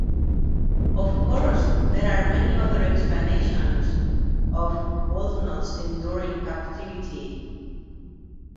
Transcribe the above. Of course, there are many other explanations of Wulfnoth's enduring captivity.